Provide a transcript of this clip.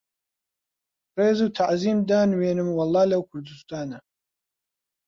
ڕێز و تەعزیم دانوێنم وەڵڵا لەو کوردوستانە